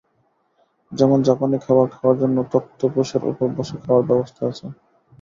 যেমন জাপানি খাবার খাওয়ার জন্য তক্তপোশের ওপর বসে খাওয়ার ব্যবস্থা আছে।